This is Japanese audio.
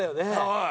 はい。